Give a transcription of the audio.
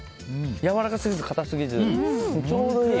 やわらかすぎず、硬すぎずちょうどいい。